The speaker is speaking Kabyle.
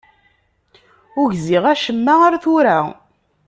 Ur gziɣ acemma ar tura.